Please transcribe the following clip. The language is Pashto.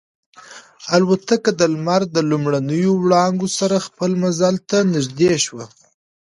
الوتکه د لمر د لومړنیو وړانګو سره خپل منزل ته نږدې شوه.